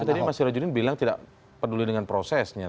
tapi tadi mas sirajudin bilang tidak peduli dengan prosesnya